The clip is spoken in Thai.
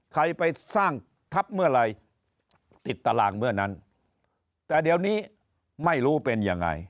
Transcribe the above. ไปสร้างทัพเมื่อไหร่ติดตารางเมื่อนั้นแต่เดี๋ยวนี้ไม่รู้เป็นยังไง